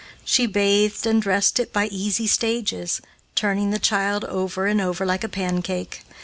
She bathed and dressed it by easy stages, turning the child over and over like a pancake.